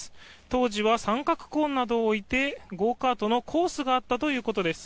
当時は三角コーンなどを置いてゴーカートのコースがあったということです。